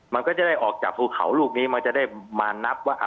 มันก็จะได้ออกจากภูเขาลูกนี้มันจะได้มานับว่า